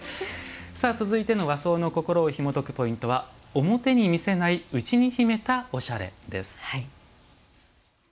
続いての和装のこころをひもとくポイントは「表に見せない内に秘めたおしゃれ」です。